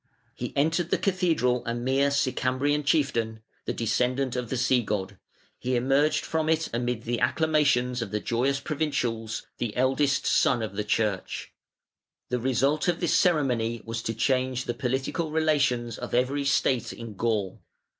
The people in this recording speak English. He entered the cathedral a mere "Sicambrian" chieftain, the descendant of the sea god: he emerged from it amid the acclamations of the joyous provincials, "the eldest son of the Church". The result of this ceremony was to change the political relations of every state in Gaul.